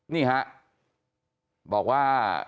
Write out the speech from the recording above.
นี่ฮะบอกว่า